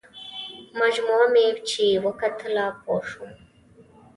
مجموعه مې چې وکتله پوه شوم.